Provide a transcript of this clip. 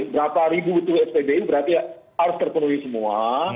berapa ribu betul spbu berarti harus terpenuhi semua